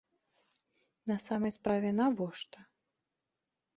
На самай справе, навошта?